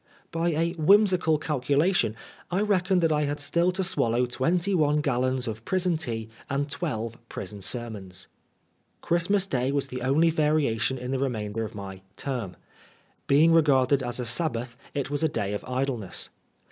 By a whimsical calculation, I reckoned that I had still to 174 PRISONER FOR BLASPHEMY. swallow twenty one gallons of prison tea and twelve prison sermons. Christmas Day was the only variation in the remain der of my "term." Being regarded as a Sabbath, it was a day of idleness.